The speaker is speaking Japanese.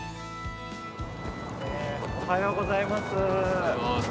おはようございます。